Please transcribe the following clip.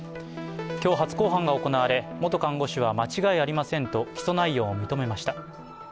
今日、初公判が行われ、元看護師は間違いありませんと起訴内容を認めました。